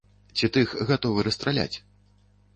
Ці тых гатовы расстраляць?